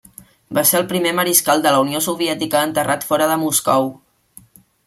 Va ser el primer Mariscal de la Unió Soviètica enterrat fora de Moscou.